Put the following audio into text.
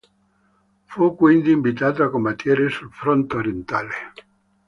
Fu quindi inviato a combattere sul fronte orientale.